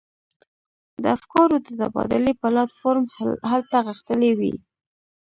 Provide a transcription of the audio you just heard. د افکارو د تبادلې پلاټ فورم هلته غښتلی وي.